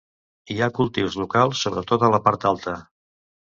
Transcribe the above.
Hi ha cultius locals sobretot a la part alta.